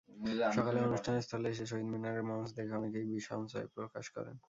সকালে অনুষ্ঠানস্থলে এসে শহীদ মিনারে মঞ্চ দেখে অনেকেই বিসঞ্চয় প্রকাশ করেন।